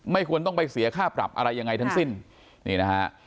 ควรต้องไปเสียค่าปรับอะไรยังไงทั้งสิ้นนี่นะฮะ